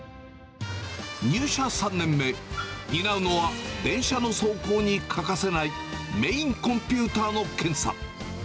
入社３年目、担うのは、電車の走行に欠かせないメインコンピューターの検査。